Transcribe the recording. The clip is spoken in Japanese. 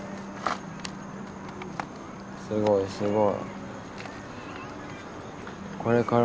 すごいすごい。